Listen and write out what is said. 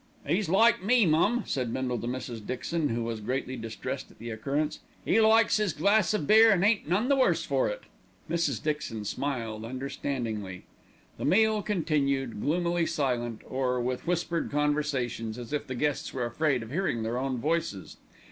"'E's like me, mum," said Bindle to Mrs. Dixon who was greatly distressed at the occurrence, "'e likes 'is glass of beer and ain't none the worse for it." Mrs. Dixon smiled understandingly. The meal continued, gloomily silent, or with whispered conversations, as if the guests were afraid of hearing their own voices.